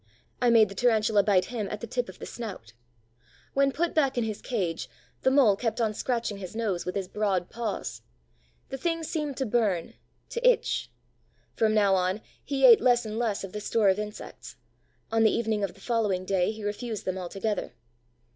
I made the Tarantula bite him at the tip of the snout. When put back in his cage, the Mole kept on scratching his nose with his broad paws. The thing seemed to burn, to itch. From now on, he ate less and less of the store of insects: on the evening of the following day, he refused them altogether.